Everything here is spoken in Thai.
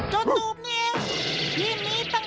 โตตูปนี่เอง